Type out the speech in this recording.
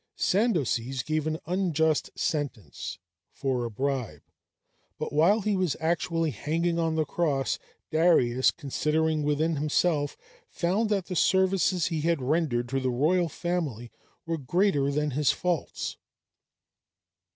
Sandoces gave an unjust sentence, for a bribe; but while he was actually hanging on the cross, Darius, considering within himself, found that the services he had rendered to the royal family were greater than his faults.